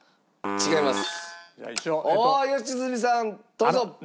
違います。